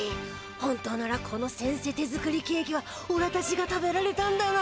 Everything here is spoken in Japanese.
本当ならこのせんせ手作りケーキはおらたちが食べられたんだな。